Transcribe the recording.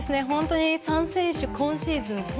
本当に３選手今シーズン